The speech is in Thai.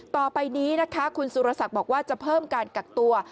ต่อไปนี้นะคะคุณสุรศักดิ์บอกว่าจะเพิ่มการกักตัว